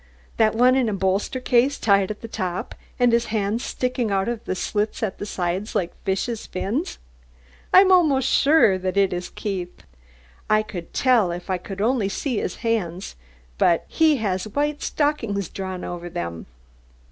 That one in a bolster case tied at the top, and his hands sticking out of the slits at the sides, like fishes' fins. I'm almost sure that it is Keith. I could tell if I could only see his hands, but he has white stockings drawn over them."